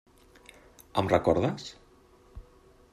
Em recordes?